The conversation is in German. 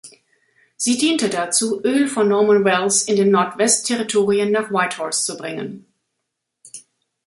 Sie diente dazu, Öl von Norman Wells in den Nordwest-Territorien nach Whitehorse zu bringen.